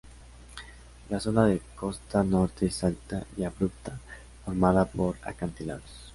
La zona de costa norte es alta y abrupta, formada por acantilados.